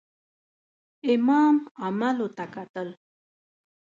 امام عملو ته کتل.